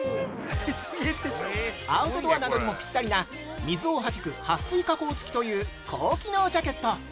アウトドアなどにもぴったりな水をはじく、はっ水加工つきという、高機能ジャケット。